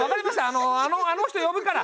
あのあの人呼ぶから！